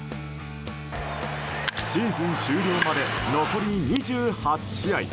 シーズン終了まで残り２８試合。